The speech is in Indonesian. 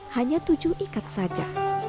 hanya tujuh ikat saja